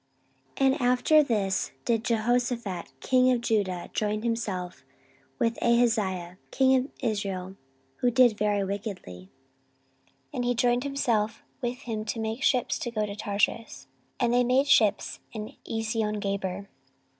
14:020:035 And after this did Jehoshaphat king of Judah join himself with Ahaziah king of Israel, who did very wickedly: 14:020:036 And he joined himself with him to make ships to go to Tarshish: and they made the ships in Eziongaber.